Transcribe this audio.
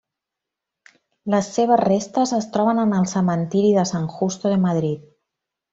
Les seves restes es troben en el cementiri de San Justo de Madrid.